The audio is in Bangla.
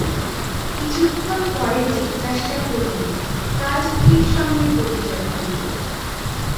কিছুক্ষণ পরে জিজ্ঞাসা করিলেন, কার স্ত্রীর সঙ্গে পরিচয় হইল?